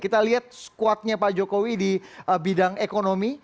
kita lihat squad nya pak jokowi di bidang ekonomi